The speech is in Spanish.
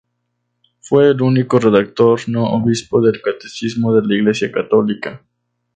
Fue el único redactor no obispo del Catecismo de la Iglesia Católica.